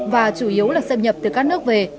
và chủ yếu là xâm nhập từ các nước về